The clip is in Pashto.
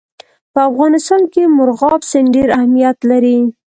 په افغانستان کې مورغاب سیند ډېر اهمیت لري.